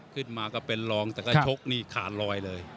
ขึ้นมาก็เป็นรองแต่ก็ชกนี่ขาดลอยเลย